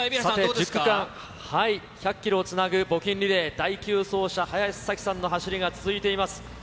１０区間、１００キロをつなぐ募金リレー、第９走者、林咲希さんの走りが続いています。